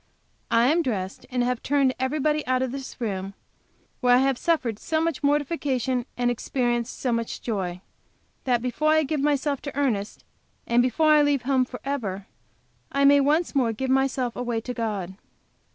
I am dressed, and have turned everybody out of this room, where I have suffered so much mortification, and experienced so much joy, that before I give myself to Ernest, and before I leave home forever, I may once more give myself away to God.